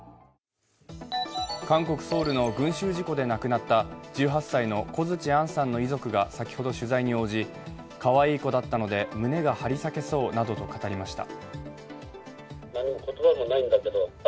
韓国ソウルの群集事故で亡くなった１８歳の小槌杏さんの親族が先ほど取材に応じかわいい子だったので胸が張り裂けそうなどと語りました。